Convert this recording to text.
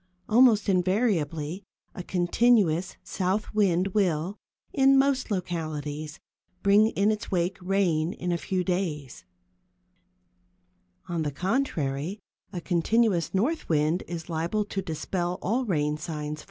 Almost invariably a continuous south wind will, in most localities, bring in its wake rain in a few days. On the contrary, a continuous north wind is liable to dispel all rain signs for a time. [Illustration: 151.